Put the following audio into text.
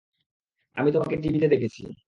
আমি তোমাকে টিভিতে দেখেছি।